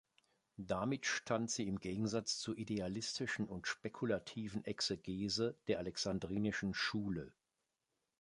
Damit stand sie im Gegensatz zur idealistischen und spekulativen Exegese der Alexandrinischen Schule.